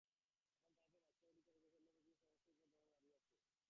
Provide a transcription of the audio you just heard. এখন তাহাকে বাঁচিয়া উঠিতে হইবে, সেজন্য সমস্ত পৃথিবীর উপর তাহার যেন দাবি আছে।